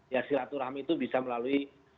ya silaturahmi itu bisa melalui